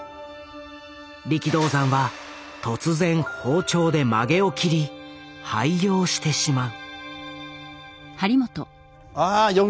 力道山は突然包丁で髷を切り廃業してしまう。